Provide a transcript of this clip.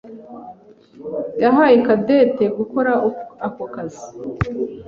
yahaye Cadette gukora ako kazi.